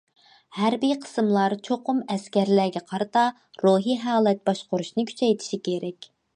ھەربىي قىسىملار چوقۇم ئەسكەرلەرگە قارىتا روھىي ھالەت باشقۇرۇشنى كۈچەيتىشى كېرەك.